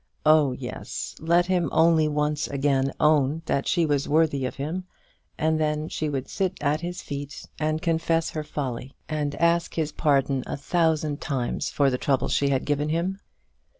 Oh, yes; let him only once again own that she was worthy of him, and then she would sit at his feet and confess her folly, and ask his pardon a thousand times for the trouble she had given him.